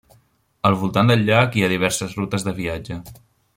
Al voltant del llac hi ha diverses rutes de viatge.